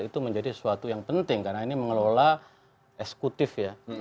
itu menjadi sesuatu yang penting karena ini mengelola eksekutif ya